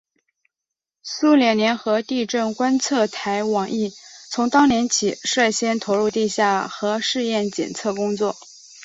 苏联联合地震观测台网亦从当年起率先投入地下核试验监测工作。